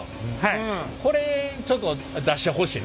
これちょっと出してほしいな。